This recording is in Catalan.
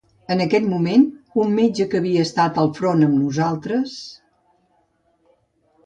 En aquell moment, un metge que havia estat al front amb nosaltres...